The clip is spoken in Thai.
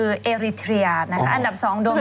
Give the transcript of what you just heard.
เอริเทียอันดับ๑